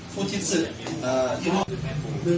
กล้องไม่ได้ครับ